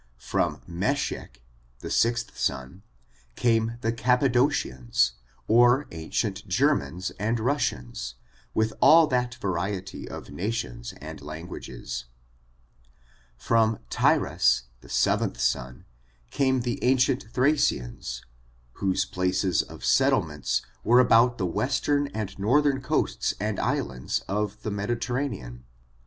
From Meshech, the sixth son, came the Capado* cians, or ancient Germans and Russians, with all that variety of nations and languages. From Tiras, the seventh son, came the ancient Thradans, whose places of settlements were about the western and northern coasts and islands of the %^^^^h^^^^^ FORTUNES, OF TBS NEOBO RACE. 276 MediterraDean.